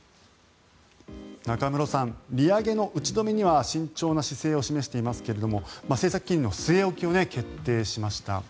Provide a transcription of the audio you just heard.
中室さん、利上げの打ち止めには慎重な姿勢を示していますが政策金利の据え置きを決定しました。